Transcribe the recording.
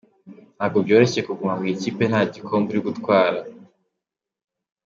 Ntabwo byoroshye kuguma mu ikipe nta bikombe uri gutwara.